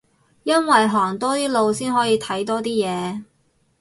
因為行多啲路先可以睇多啲嘢